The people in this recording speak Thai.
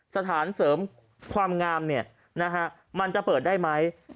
สถานเสริมความงามมันจะเปิดได้ไหม